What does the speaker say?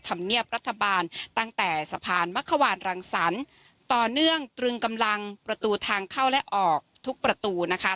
ธรรมเนียบรัฐบาลตั้งแต่สะพานมะขวานรังสรรค์ต่อเนื่องตรึงกำลังประตูทางเข้าและออกทุกประตูนะคะ